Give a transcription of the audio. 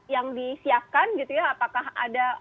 yang disiapkan gitu ya apakah ada